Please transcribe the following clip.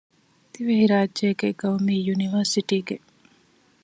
ދިވެހިރާއްޖޭގެ ޤައުމީ ޔުނިވަރސިޓީގެ